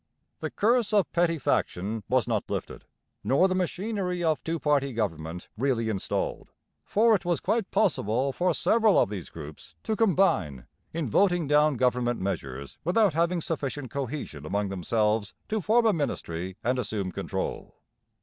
The curse of petty faction was not lifted, nor the machinery of two party government really installed, for it was quite possible for several of these groups to combine in voting down government measures without having sufficient cohesion among themselves to form a ministry and assume control.